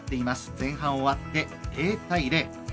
前半終わって０対０。